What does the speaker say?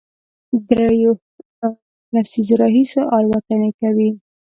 درېیو لسیزو راهیسې الوتنې کوي،